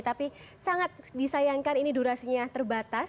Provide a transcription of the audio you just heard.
tapi sangat disayangkan ini durasinya terbatas